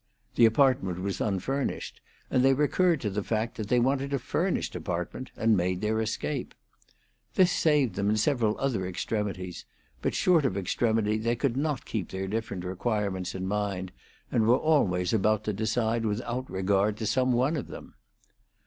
The apartment was unfurnished, and they recurred to the fact that they wanted a furnished apartment, and made their escape. This saved them in several other extremities; but short of extremity they could not keep their different requirements in mind, and were always about to decide without regard to some one of them.